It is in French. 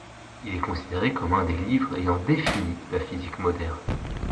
Il est considéré comme un des livres ayant défini la physique moderne.